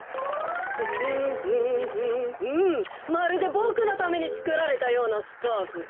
まるでボクのためにつくられたようなスカーフだ。